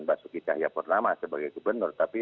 basuki cahayapurnama sebagai gubernur tapi